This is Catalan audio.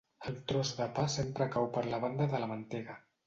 El tros de pa sempre cau per la banda de la mantega.